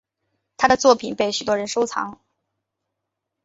她的作品被许多人收藏。